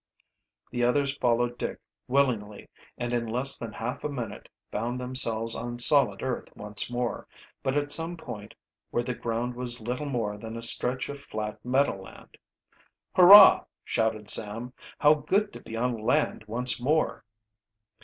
The others followed Dick willingly and in less than half a minute found themselves on solid earth once more, but at some point where the ground was little more than a stretch of flat meadow land. "Hurrah!" shouted Sam. "How good to be on land once more!"